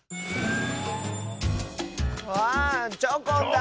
あっチョコンだ！